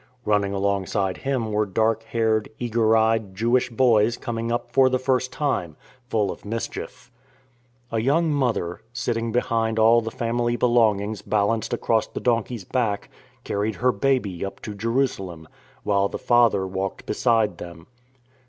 Running alongside him were dark haired, eager eyed Jewish boys coming up for the first time, full of mis 48 IN TRAINING chief. A young mother, sitting behind all the family belongings balanced across the donkey's back, carried her baby up to Jerusalem, while the father walked beside them.